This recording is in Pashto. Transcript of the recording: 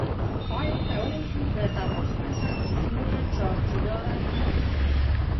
آیا کولی شو د تماس په اثر جسمونه چارج داره کړو؟